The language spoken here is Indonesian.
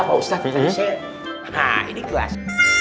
nah ini kelas